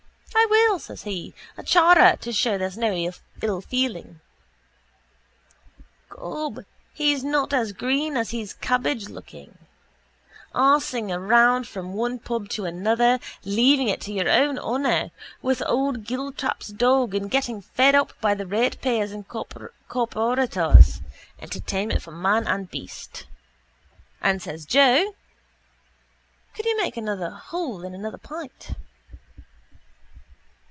—I will, says he, a chara, to show there's no ill feeling. Gob, he's not as green as he's cabbagelooking. Arsing around from one pub to another, leaving it to your own honour, with old Giltrap's dog and getting fed up by the ratepayers and corporators. Entertainment for man and beast. And says Joe: —Could you make a hole in another pint?